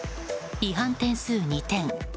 違反点数２点。